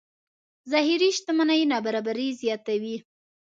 ظاهري شتمنۍ نابرابرۍ زیاتوي.